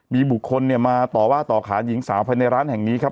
มีบุคคลมาต่อว่าต่อขานหญิงสาวภายในร้านแห่งนี้ครับ